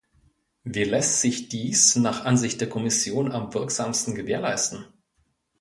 Wie lässt sich dies nach Ansicht der Kommission am wirksamsten gewährleisten?